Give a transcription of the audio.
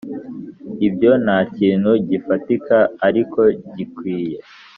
ibyo ntakintu gifatika ariko igikwiye,